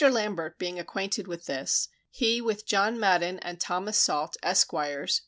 Lambert being acquainted with this, he with John Madun and Thomas Salt, Esqs.